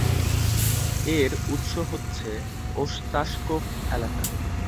এর উৎস হচ্ছে ওস্তাশকোভ এলাকা।